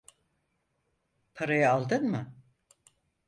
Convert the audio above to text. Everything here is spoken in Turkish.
Parayı aldın mı?